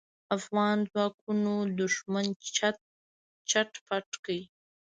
افغان ځواکونو دوښمن چټ پټ کړ.